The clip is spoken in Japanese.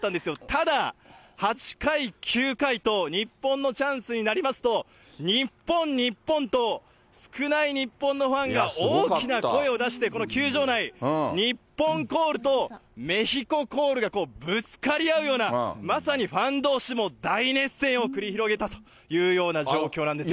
ただ、８回、９回と日本のチャンスになりますと、日本、日本と少ない日本のファンが大きな声を出して、この球場内、日本コールとメヒココールがぶつかり合うような、まさにファンどうしも大熱戦を繰り広げたというような状況なんですよ。